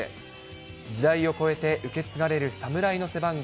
時代を超えて受け継がれる侍の背番号。